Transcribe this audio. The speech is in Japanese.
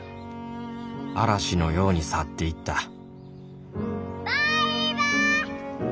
嵐のように去っていったバイバイ！